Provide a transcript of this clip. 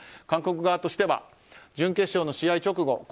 韓国側としては準決勝の試合直後